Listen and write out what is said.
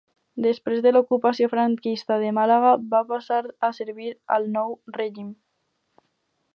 Després de l'ocupació franquista de Màlaga va passar a servir al nou règim.